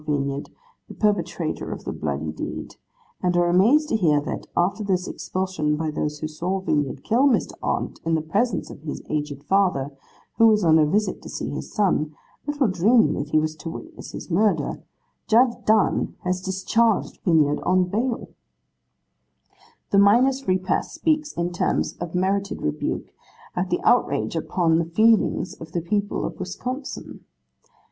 Vinyard, the perpetrator of the bloody deed, and are amazed to hear, that, after this expulsion by those who saw Vinyard kill Mr. Arndt in the presence of his aged father, who was on a visit to see his son, little dreaming that he was to witness his murder, Judge Dunn has discharged Vinyard on bail. The Miners' Free Press speaks in terms of merited rebuke at the outrage upon the feelings of the people of Wisconsin.